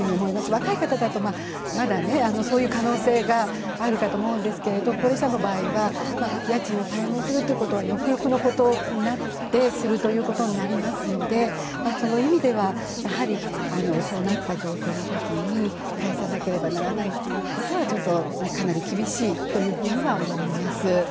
若い方だとそういう可能性があるかと思うんですけど高齢者の場合は家賃を滞納するということはよくよくのことになってするということになりますのでその意味ではやはりそうなった状況の時に返さなければならないということはかなり厳しいとは思います。